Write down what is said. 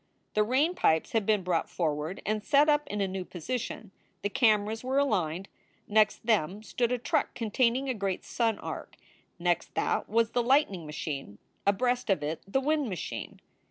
The rain pipes had been brought forward and set up in a new position. The cameras were aligned. Next them stood a truck containing a great sun arc. Next that was the light ning machine, abreast of it the wind machine.